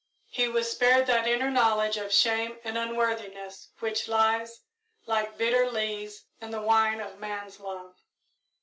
He was spared that inner knowledge of shame and unworthiness which lies, like bitter lees, in the wine of man's love.